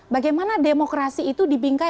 bagaimana demokrasi itu dibingkai